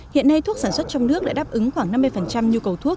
hiện nay thuốc sản xuất trong nước đã đáp ứng khoảng năm mươi nhu cầu thuốc